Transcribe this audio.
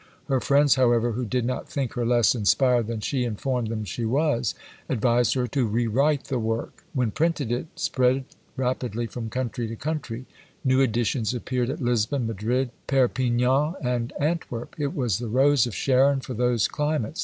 Her friends, however, who did not think her less inspired than she informed them she was, advised her to re write the work. When printed it spread rapidly from country to country: new editions appeared at Lisbon, Madrid, Perpignan, and Antwerp. It was the rose of Sharon for those climates.